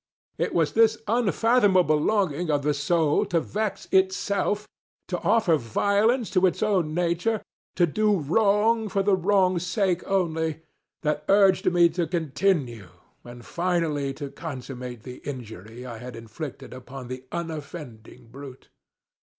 It was this unfathomable longing of the soul _to vex itself_ŌĆöto offer violence to its own natureŌĆöto do wrong for the wrongŌĆÖs sake onlyŌĆöthat urged me to continue and finally to consummate the injury I had inflicted upon the unoffending brute.